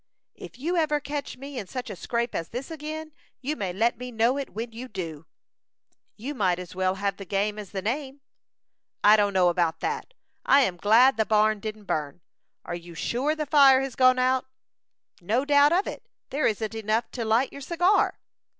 "If you ever catch me in such a scrape as this again, you may let me know it when you do." "You might as well have the game as the name." "I don't know about that. I am glad the barn didn't burn. Are you sure the fire has gone out?" "No doubt of it. There isn't enough to light your cigar."